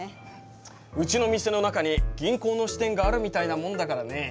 うちの店の中に銀行の支店があるみたいなもんだからね。